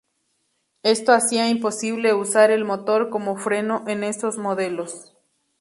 Esto hacía imposible usar el motor como freno en esos modelos.